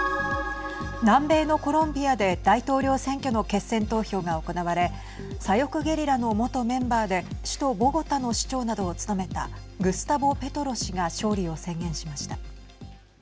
南米のコロンビアで大統領選挙の決選投票が行われ左翼ゲリラの元メンバーで首都ボゴタの市長などを務めたグスタボ・ペトロ氏が勝利を宣言しました。